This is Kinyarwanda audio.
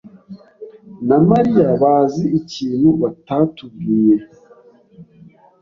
na Mariya bazi ikintu batatubwiye.